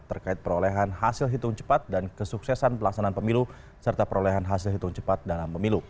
terkait perolehan hasil hitung cepat dan kesuksesan pelaksanaan pemilu serta perolehan hasil hitung cepat dalam pemilu